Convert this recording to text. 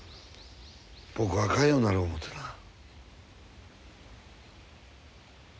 僕はあかんようになる思てな。